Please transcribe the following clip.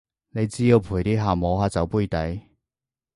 你只要陪啲客摸下酒杯底